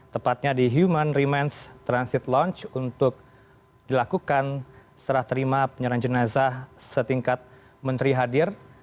tepatnya di human remans transit launch untuk dilakukan serah terima penyerahan jenazah setingkat menteri hadir